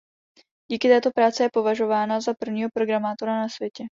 Díky této práci je považována za prvního programátora na světě.